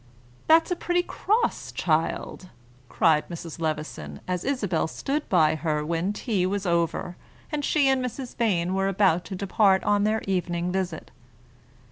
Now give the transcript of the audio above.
"That's a pretty cross, child," cried Mrs. Levison as Isabel stood by her when tea was over, and she and Mrs. Vane were about to depart on their evening visit.